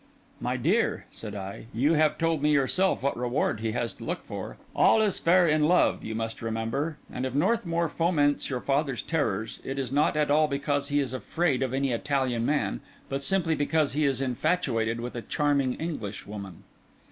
"My dear," said I, "you have told me yourself what reward he has to look for. All is fair in love, you must remember; and if Northmour foments your father's terrors, it is not at all because he is afraid of any Italian man, but simply because he is infatuated with a charming English woman."